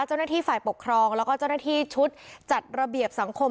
เจ้าหน้าที่ฝ่ายปกครองแล้วก็เจ้าหน้าที่ชุดจัดระเบียบสังคม